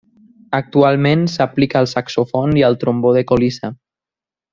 Actualment s'aplica al saxòfon i al trombó de colissa.